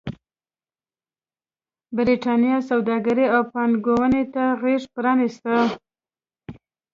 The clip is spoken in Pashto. برېټانیا سوداګرۍ او پانګونې ته غېږ پرانېسته.